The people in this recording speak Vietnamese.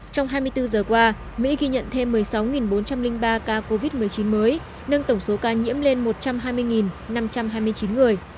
trong hai mươi bốn giờ qua mỹ ghi nhận thêm một mươi sáu bốn trăm linh ba ca covid một mươi chín mới nâng tổng số ca nhiễm lên một trăm hai mươi năm trăm hai mươi chín người